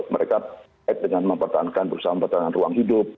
mereka dengan mempertahankan berusaha mempertahankan ruang hidup